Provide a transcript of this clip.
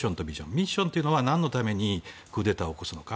ミッションというのはなんのためにクーデターを起こすのか。